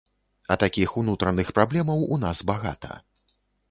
А такіх унутраных праблемаў у нас багата.